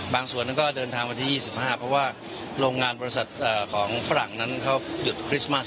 ส่วนนั้นก็เดินทางวันที่๒๕เพราะว่าโรงงานบริษัทของฝรั่งนั้นเขาหยุดคริสต์มัส